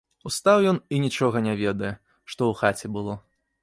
Устаў ён і нічога не ведае, што ў хаце было.